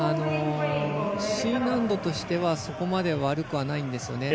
Ｃ難度としてはそこまで悪くないんです。